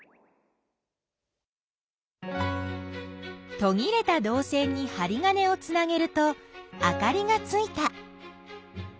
とぎれたどう線にはり金をつなげるとあかりがついた。